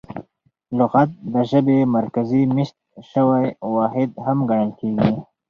لغت د ژبي مرکزي مېشت سوی واحد هم ګڼل کیږي.